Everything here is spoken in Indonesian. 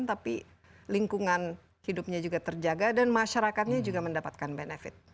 tapi lingkungan hidupnya juga terjaga dan masyarakatnya juga mendapatkan benefit